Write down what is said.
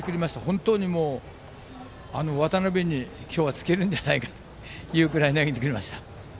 本当に今日は渡邉に尽きるんじゃないかというぐらい投げてくれました。